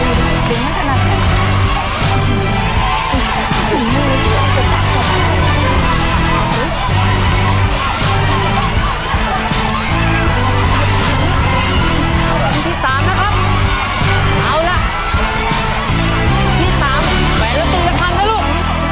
เอาล่ะที่๓นะครับเอาล่ะที่๓แหวนแล้วตื่นแล้วพันนะลูก